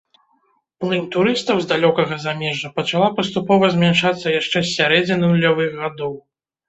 Плынь турыстаў з далёкага замежжа пачала паступова змяншацца яшчэ з сярэдзіны нулявых гадоў.